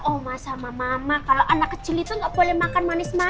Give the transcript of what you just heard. oh mas sama mama kalau anak kecil itu nggak boleh makan manis manis